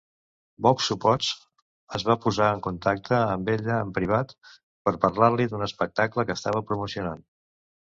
Boxu Potts es va posar en contacte amb ella en privat per parlar-li d'un espectacle que estava promocionant.